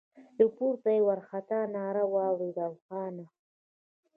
له پورته يې وارخطا ناره واورېده: خانه!